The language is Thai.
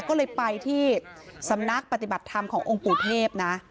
ก็เลยไปที่สำนักปฏิบัติธรรมขององค์ปู่เทพนะ